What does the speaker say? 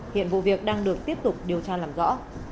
hiện vụ việc đang được tiếp tục điều tra làm rõ